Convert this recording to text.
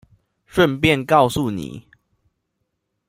順便告訴你